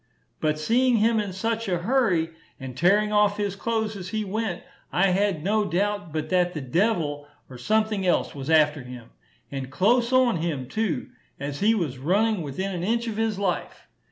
But seeing him in such a hurry, and tearing off his clothes as he went, I had no doubt but that the devil or something else was after him and close on him, too as he was running within an inch of his life.